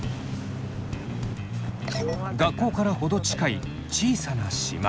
学校からほど近い小さな島。